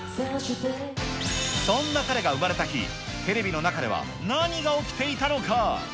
そんな彼が生まれた日、テレビの中では、何が起きていたのか。